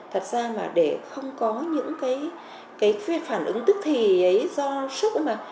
thật ra mà để không có những cái phản ứng tức thì ấy do sức mà